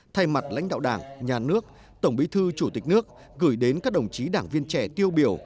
thay mặt lãnh đạo đảng nhà nước tổng bí thư chủ tịch nước gửi đến các đồng chí đảng viên trẻ tiêu biểu